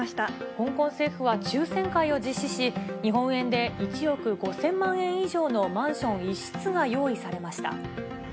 香港政府は抽せん会を実施し、日本円で１億５０００万円以上のマンション１室が用意されました。